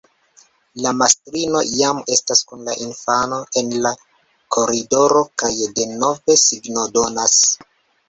La mastrino jam estas kun la infano en la koridoro kaj denove signodonas.